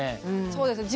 そうですね